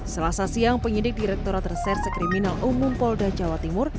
selasa siang penyidik direkturat reserse kriminal umum polda jawa timur